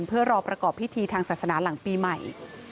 เพื่อรอประกอบพิธีทางศาสนาหลังปีใหม่